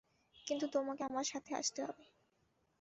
কিন্তু তোমাকে আমার সাথে আসতে হবে।